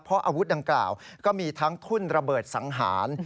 เพราะอาวุธดังกล่าวก็มีทั้งทุ่นระเบิดสังหาร